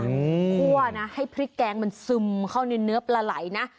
คั่วนะให้พริกแกงมันซึมเข้าในเนื้อปลาไหลนะ